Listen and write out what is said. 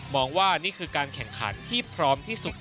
ว่านี่คือการแข่งขันที่พร้อมที่สุด